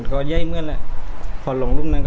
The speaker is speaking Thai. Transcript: ก็เจอลุกนั้น